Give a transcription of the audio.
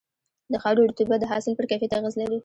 د خاورې رطوبت د حاصل پر کیفیت اغېز لري.